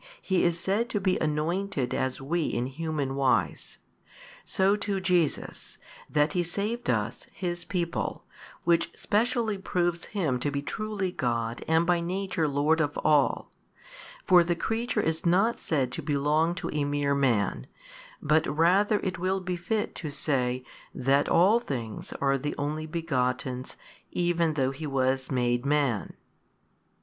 He is said to be anointed as we in human wise; so too Jesus, that He saved us His people, which specially proves Him to be truly God and by Nature Lord of all. For the creature is not said to belong to a mere man 6, but rather it will befit to say that all things are the Only Begotten's even though He was made Man.